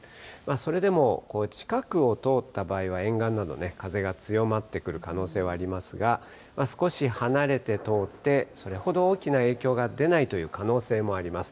それでも近くを通った場合は沿岸などね、風が強まってくる可能性はありますが、少し離れて通って、それほど大きな影響が出ないという可能性もあります。